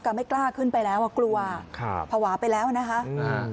ก็ไม่กล้าขึ้นไปแล้วกลัวภาวะไปแล้วนะครับ